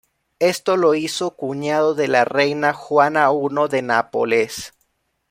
Esto lo hizo cuñado de la reina Juana I de Nápoles.